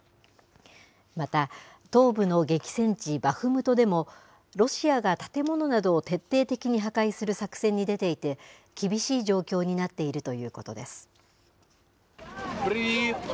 また、東部の激戦地バフムトでも、ロシアが建物などを徹底的に破壊する作戦に出ていて、厳しい状況になっているということです。